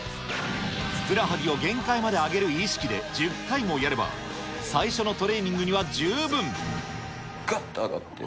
ふくらはぎを限界まで上げる意識で１０回もやれば、最初のトがっと上がって。